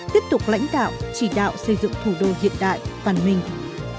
tiếp tục lãnh đạo chỉ đạo xây dựng thủ đô hiện đại văn minh